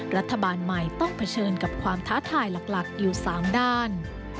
รัฐบาลใหม่ต้องเผชิญกับความท้าทายหลักอยู่๓ด้าน